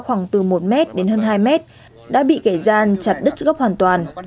khoảng từ một m đến hơn hai mét đã bị kẻ gian chặt đứt gốc hoàn toàn